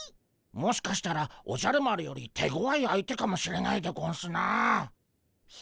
もしかしたらおじゃる丸より手ごわい相手かもしれないでゴンスな。